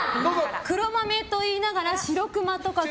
黒豆と言いながらしろくまと書く。